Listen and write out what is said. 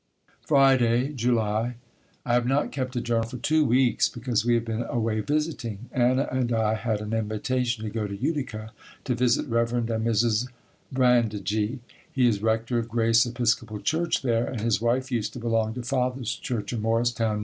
Friday, July. I have not kept a journal for two weeks because we have been away visiting. Anna and I had an invitation to go to Utica to visit Rev. and Mrs. Brandigee. He is rector of Grace Episcopal church there and his wife used to belong to Father's church in Morristown, N.